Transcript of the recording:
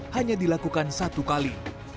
hanya dilakukan satu kali